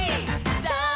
さあ